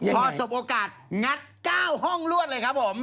พอสบโอกาสงัด๙ห้องลวดเลยครับผม